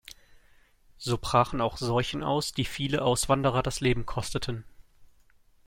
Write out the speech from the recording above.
So brachen auch Seuchen aus, die viele Auswanderer das Leben kosteten.